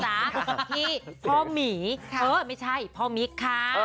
กับที่พ่อหมีเออไม่ใช่พ่อมิ๊กค่ะ